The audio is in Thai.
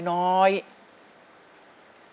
ขอขอบคุณค่ะ